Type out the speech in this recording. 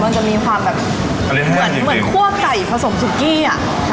มันจะมีความแบบเหมือนคั่วไก่ผสมสุกี้อ่ะ